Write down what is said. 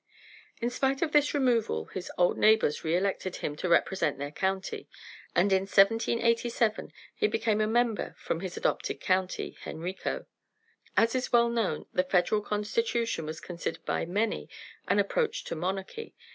In spite of this removal his old neighbors re elected him to represent their county, and in 1787 he became a member from his adopted county, Henrico. As is well known, the Federal constitution was considered by many an approach to monarchy.